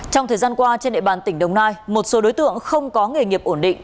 trong thời gian qua trên địa bàn tỉnh đồng nai một số đối tượng không có nghề nghiệp ổn định